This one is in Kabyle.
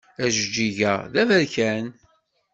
Ajeǧǧig-a d aberkan.